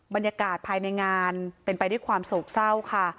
บรรยากาศภายในงานเป็นไปด้วยความโศกเศร้าค่ะ